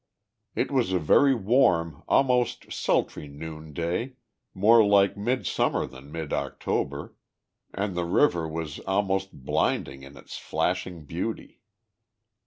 It was a very warm, almost sultry noonday, more like midsummer than mid October, and the river was almost blinding in its flashing beauty.